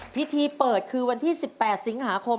พิธีเปิดคือวันที่๑๘สิงหาคม